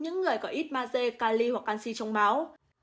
những người có ít maze cali hoặc canxi trong máu